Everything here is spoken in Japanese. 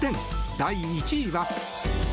第１位は。